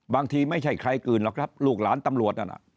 บางทีไม่ใช่ใครกลืนหรอกครับลูกหลานตำรวจนั่น